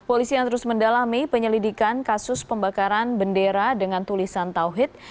polisi yang terus mendalami penyelidikan kasus pembakaran bendera dengan tulisan tauhid